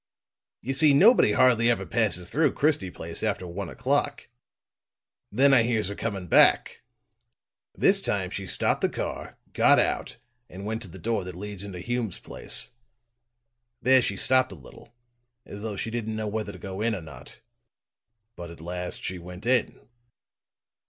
You see, nobody hardly ever passes through Christie Place after one o'clock. Then I hears her coming back. This time she stopped the car, got out and went to the door that leads into Hume's place. There she stopped a little, as though she didn't know whether to go in or not. But at last she went in."